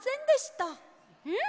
うん！